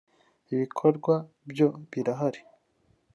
“Ibikorwa byo birahari